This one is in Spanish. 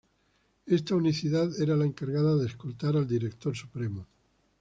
Esta unidad era la encargada de escoltar al director supremo.